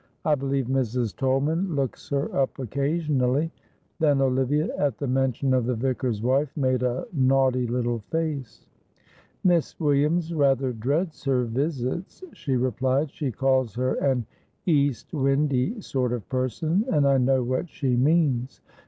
I believe Mrs. Tolman looks her up occasionally." Then Olivia, at the mention of the vicar's wife, made a naughty little face. "Miss Williams rather dreads her visits," she replied. "She calls her an east windy sort of person, and I know what she means. Mrs.